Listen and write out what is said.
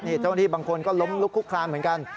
เจ้าหน้าที่บางคนก็ล้มลุกคุกคลานเหมือนกัน